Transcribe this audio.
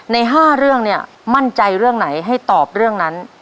ใน๕เรื่องเนี่ยมั่นใจเรื่องไหนให้ตอบเรื่องนั้น